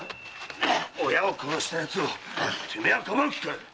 〔親を殺した奴をてめえはかばう気かよ？〕